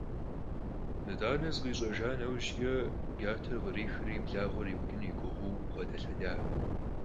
Yit'ane, zıkhiş'ejja neujç'e, cater khrixri, blağuer yiuç'ın yi guğeu, bğedelhedaş.